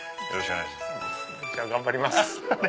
じゃあ頑張ります。